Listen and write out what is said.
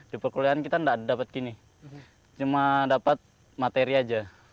di perkulian kita tidak dapat gini cuma dapat materi aja